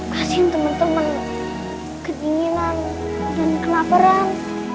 kasih temen temen kedinginan dan kenaparan